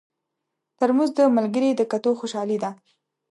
ترموز د ملګري د کتو خوشالي ده.